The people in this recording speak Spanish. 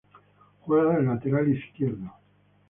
Juega de lateral izquierdo.